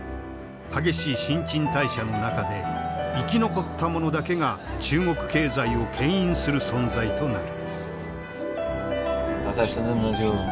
激しい新陳代謝の中で生き残ったものだけが中国経済をけん引する存在となる。